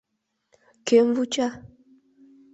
Кӧм вуча?